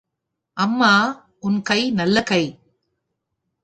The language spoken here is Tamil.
அம்மா உன் கை நல்ல கை.